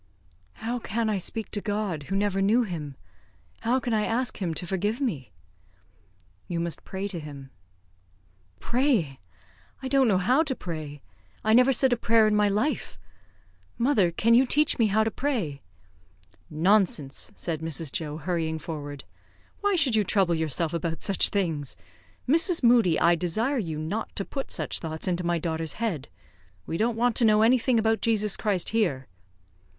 "How can I speak to God, who never knew Him? How can I ask Him to forgive me?" "You must pray to him." "Pray! I don't know how to pray. I never said a prayer in my life. Mother; can you teach me how to pray?" "Nonsense!" said Mrs. Joe, hurrying forward. "Why should you trouble yourself about such things? Mrs. Moodie, I desire you not to put such thoughts into my daughter's head. We don't want to know anything about Jesus Christ here."